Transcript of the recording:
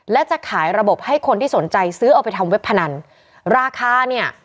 และจะขายระบบให้คนที่สนใจซื้อเอาไปทำเว็บพนันราคาเนี่ย